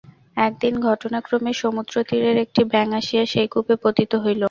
একদিন ঘটনাক্রমে সমুদ্রতীরের একটি ব্যাঙ আসিয়া সেই কূপে পতিত হইল।